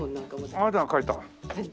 あなたが書いた？